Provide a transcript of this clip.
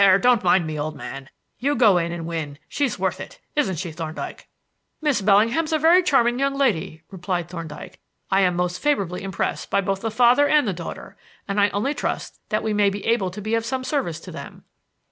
don't mind me, old man. You go in and win she's worth it, isn't she, Thorndyke?" "Miss Bellingham's a very charming young lady," replied Thorndyke. "I am most favorably impressed by both the father and the daughter, and I only trust that we may be able to be of some service to them."